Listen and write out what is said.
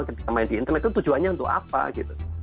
ketika main di internet itu tujuannya untuk apa gitu